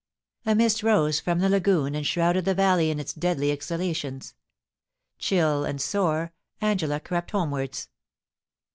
A mist rose from the lagoon and shrouded the valley in its deadly exhalations. Chill and sore, Angela crept home wards.